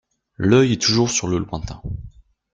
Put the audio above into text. L’œil est toujours sur le lointain.